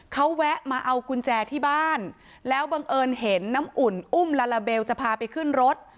เขาแวะมาเอากุญแจที่บ้านแล้วบังเอิญเห็นน้ำอุ่นอุ้มลาลาเบลจะพาไปขึ้นรถ